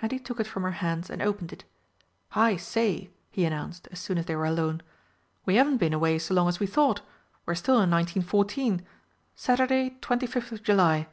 and he took it from her hands and opened it. "I say," he announced as soon as they were alone, "we haven't been away so long as we thought. We're still in 1914. Saturday, twenty fifth of July."